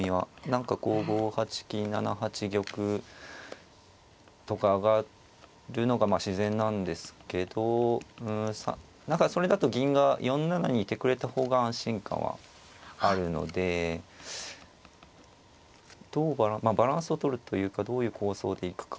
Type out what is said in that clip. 何かこう５八金７八玉とか上がるのが自然なんですけど何かそれだと銀が４七にいてくれた方が安心感はあるのでバランスをとるというかどういう構想でいくか。